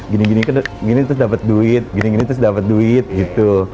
gini gini terus dapet duit gini gini terus dapat duit gitu